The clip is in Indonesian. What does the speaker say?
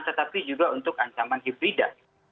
tetapi juga untuk ancaman hibrida